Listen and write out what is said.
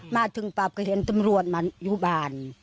มาถึงปั๊บก็เห็นตำรวจมาอยู่บ้าน